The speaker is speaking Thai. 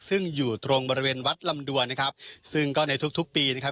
ซึ่งอยู่ตรงบริเวณวัดลำดวนนะครับซึ่งก็ในทุกทุกปีนะครับ